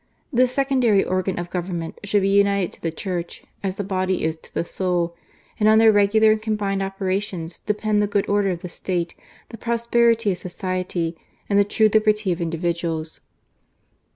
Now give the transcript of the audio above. This secondary organ of government should be united to the Church as the body is to the soul, and on their regular and combined operations depend the good order of the State, the prosperity of society, and the true liberty of individuals.